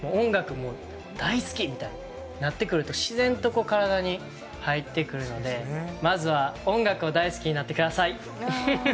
もう大好きみたいななってくると自然と体に入ってくるのでまずは音楽を大好きになってください